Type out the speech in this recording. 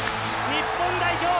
日本代表